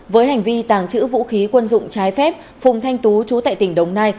với hành vi tàng trữ vũ khí quân dụng trái phép phùng thanh tú chú tại tỉnh đồng nai